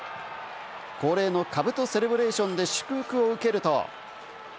恒例の兜セレブレーションで祝福を受けると。